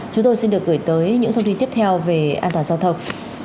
chúng tôi xin được gửi tới những thông tin tiếp theo về an toàn giao thông